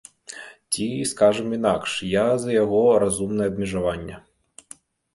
Ці, скажам інакш, я за яго разумнае абмежаванне.